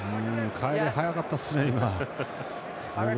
帰り早かったですね。